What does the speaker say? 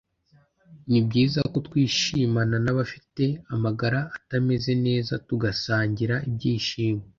ni byiza ko twishimana n’abafite amagara atameze neza tugasangira ibyishimo